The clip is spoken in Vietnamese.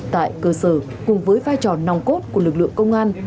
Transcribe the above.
tại cơ sở cùng với vai trò nòng cốt của lực lượng công an